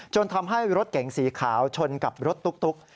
ทำให้รถเก๋งสีขาวชนกับรถตุ๊ก